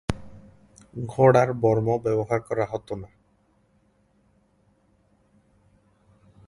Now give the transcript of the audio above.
ঘোড়ার বর্ম ব্যবহার করা হতো না।